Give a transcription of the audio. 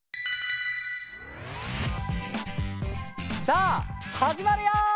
さあはじまるよ！